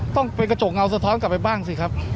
ต้องเป็นกระจกเงาสะท้อนกลับไปบ้างสิครับ